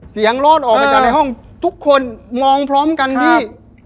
รอดออกมาจากในห้องทุกคนมองพร้อมกันพี่